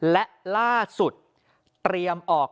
และล่าสุดเตรียมออก